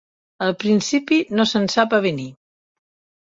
Al principi no se'n sap avenir.